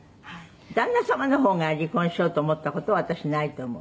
旦那様の方が離婚しようと思った事は私ないと思う。